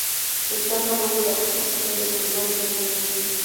Está a favor de la protección de los animales y el medio ambiente.